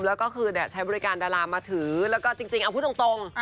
แล้วก็คือใช้บริการดารามมาถือจริงเอาคุณตรง